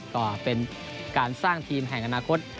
ก็เป็นการสร้างทีมแห่งอนาคต